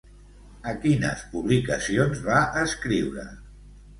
A quines publicacions va escriure?